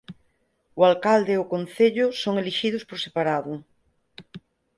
O alcalde e o concello son elixidos por separado.